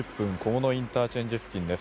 菰野ＩＣ付近です。